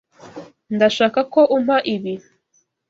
Ndashaka ko umpa ibi.